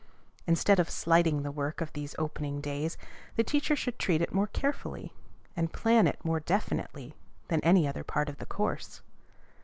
Instead of slighting the work of these opening days, the teacher should treat it more carefully, and plan it more definitely than any other part of the course.